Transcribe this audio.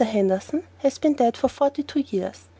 Henderson has been dead forty two years.